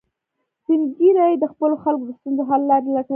سپین ږیری د خپلو خلکو د ستونزو حل لارې لټوي